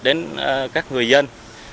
đến các người dân